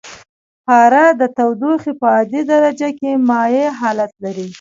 پاره د تودوخې په عادي درجه کې مایع حالت لري.